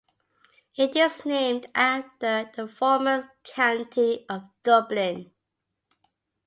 It is named after the former county of Dublin.